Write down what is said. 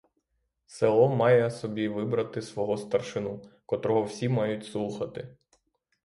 Село має собі вибрати свого старшину, котрого всі мають слухати.